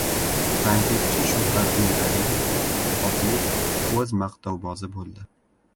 Tanqidchi Shuhrat Umiraliyev otli o‘z maqtovbozi bo‘ldi.